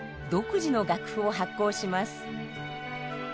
独自の楽譜を発行します。